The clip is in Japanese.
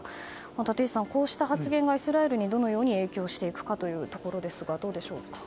立石さん、こうした発言がイスラエルにどう影響していくかですがどうでしょうか？